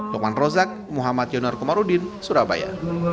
dokman rozak muhammad yonar kumarudin surabaya